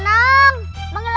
sial pakai gini